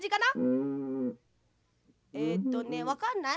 えっとねわかんない？